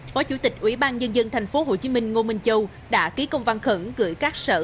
phó chủ tịch ubnd tp hcm ngô minh châu đã ký công văn khẩn gửi các sở